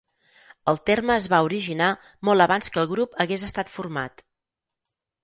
El terme es va originar molt abans que el grup hagués estat format.